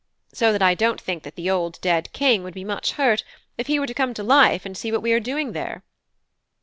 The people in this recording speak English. So that I don't think that the old dead king would be much hurt if he were to come to life and see what we are doing there."